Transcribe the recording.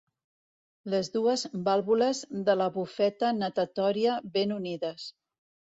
Les dues vàlvules de la bufeta natatòria ben unides.